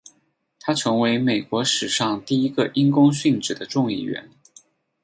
他成为美国史上第一个因公殉职的众议员。